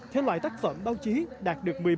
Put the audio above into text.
thể loại tác phẩm báo chí đạt được